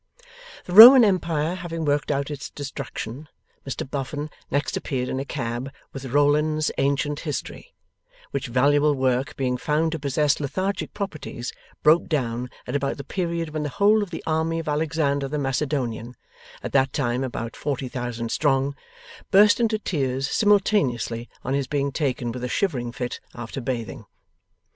The Roman Empire having worked out its destruction, Mr Boffin next appeared in a cab with Rollin's Ancient History, which valuable work being found to possess lethargic properties, broke down, at about the period when the whole of the army of Alexander the Macedonian (at that time about forty thousand strong) burst into tears simultaneously, on his being taken with a shivering fit after bathing.